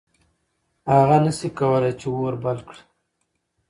هغه نه شي کولی چې اور بل کړي.